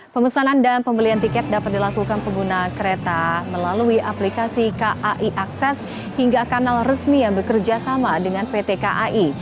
pemesanan dan pembelian tiket dapat dilakukan pengguna kereta melalui aplikasi kai akses hingga kanal resmi yang bekerja sama dengan pt kai